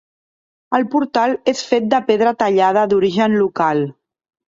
El portal és fet de pedra tallada d'origen local.